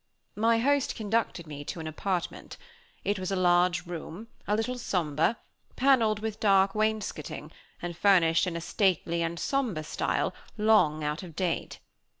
My host conducted me to my apartment. It was a large room, a little somber, paneled with dark wainscoting, and furnished in a stately and somber style, long out of date.